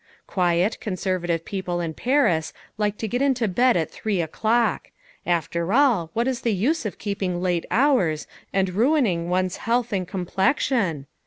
Quiet, conservative people in Paris like to get to bed at three o'clock; after all, what is the use of keeping late hours and ruining one's health and complexion?